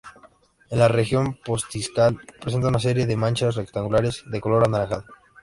En la región postdiscal presenta una serie de manchas rectangulares de color anaranjado.